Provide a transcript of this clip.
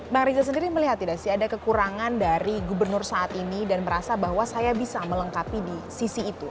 bang rizal sendiri melihat tidak sih ada kekurangan dari gubernur saat ini dan merasa bahwa saya bisa melengkapi di sisi itu